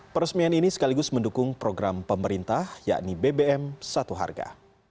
peresmian ini sekaligus mendukung program pemerintah yakni bbm satu harga